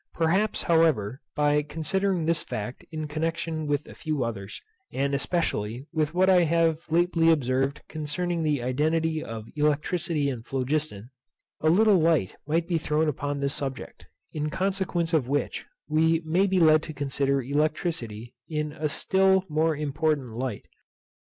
Perhaps, however, by considering this fact in connexion with a few others, and especially with what I have lately observed concerning the identity of electricity and phlogiston, a little light may be thrown upon this subject, in consequence of which we may be led to consider electricity in a still more important light.